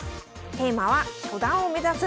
テーマは「初段を目指す！